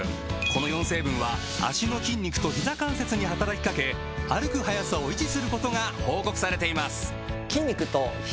この４成分は脚の筋肉とひざ関節に働きかけ歩く速さを維持することが報告されています